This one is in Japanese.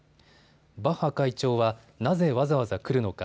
バッハ会長はなぜわざわざ来るのか。